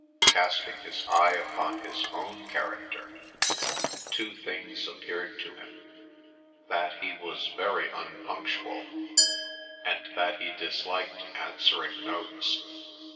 Casting his eye upon his own character, two things appeared to him: that he was very unpunctual, and that he disliked answering notes.